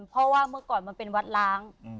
เพราะว่าเมื่อก่อนมันเป็นวัดล้าง